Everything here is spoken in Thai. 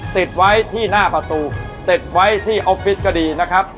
ติดไว้ที่หน้าประตูติดไว้ที่ออฟฟิศก็ดีนะครับ